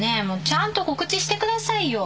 ちゃんと告知してくださいよ